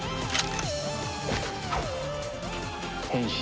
変身。